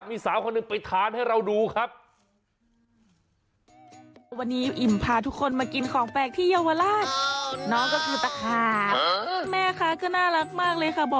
มีสาวคนหนึ่งไปทานให้เราดูครับ